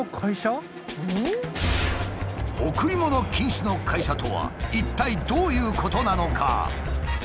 「贈り物禁止の会社」とは一体どういうことなのか？